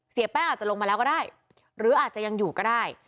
แป้งอาจจะลงมาแล้วก็ได้หรืออาจจะยังอยู่ก็ได้